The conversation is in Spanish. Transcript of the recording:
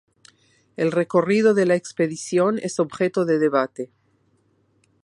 El recorrido de la expedición es objeto de debate.